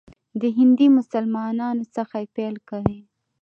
د هندي مسلمانانو څخه یې پیل کوي.